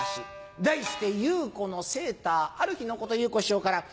題して「祐子のセーター」。ある日のこと祐子師匠から